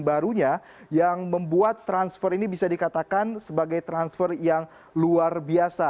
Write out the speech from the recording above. barunya yang membuat transfer ini bisa dikatakan sebagai transfer yang luar biasa